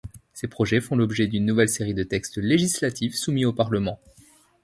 Ces projets font l'objet d'une nouvelle série de textes législatifs soumis au Parlement.